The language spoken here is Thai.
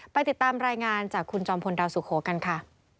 ไปติดตามรายงานจากคุณจอมพลดาวสุโขกันค่ะ